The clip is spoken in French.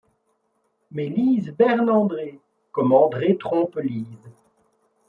Mais Lise berne André comme André trompe Lise.